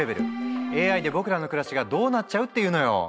ＡＩで僕らの暮らしがどうなっちゃうっていうのよ！